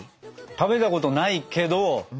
食べたことないけど。